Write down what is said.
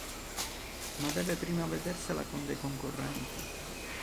Ma deve prima vedersela con dei concorrenti.